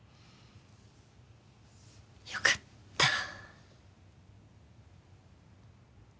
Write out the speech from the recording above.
よかった。